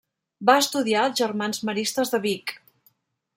Va estudiar als Germans Maristes de Vic.